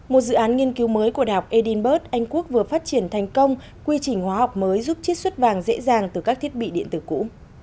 một dự án nghiên cứu mới của đh edinburgh anh quốc vừa phát triển thành công quy trình hóa học mới giúp chất xuất vàng dễ dàng từ các thiết bị điện tử cũ